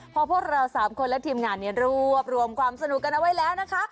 พอพวกเรา๓คนและทีมงานรวบรวมความสนุกกันเอาไว้แล้วนะคะ